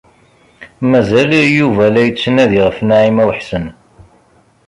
Mazal Yuba la yettnadi ɣef Naɛima u Ḥsen.